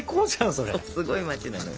そうすごい街なのよ。